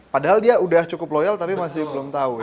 padahal dia udah cukup loyal tapi masih belum tahu